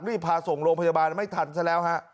รีบพาส่งโรงพยาบาลไม่ทันซะแล้วฮะ